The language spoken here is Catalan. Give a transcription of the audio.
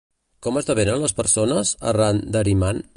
Com esdevenen les persones, arran d'Ahriman?